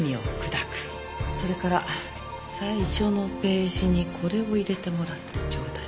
それから最初のページにこれを入れてもらってちょうだい。